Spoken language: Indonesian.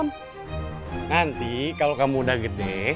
nanti kalau kamu udah gede